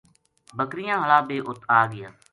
بکریاں ہالا بے اُت آگیا۔